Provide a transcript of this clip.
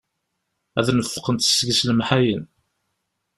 Ad neffqent seg-s lemḥayen.